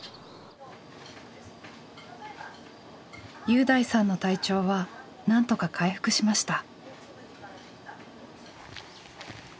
侑大さんの体調はなんとか回復しました。